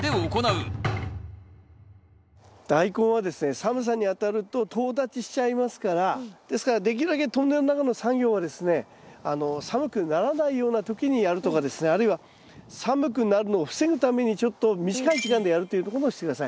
寒さにあたるととう立ちしちゃいますからですからできるだけトンネルの中の作業はですね寒くならないような時にやるとかですねあるいは寒くなるのを防ぐためにちょっと短い時間でやるということをして下さい。